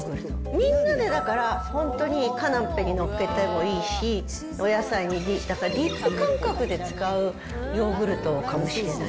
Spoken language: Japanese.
みんなで、だから、本当にカナッペにのっけてもいいし、お野菜に、だからディップ感覚で使うヨーグルトかもしれない。